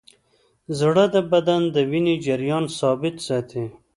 زړه د بدن د وینې جریان ثابت ساتي.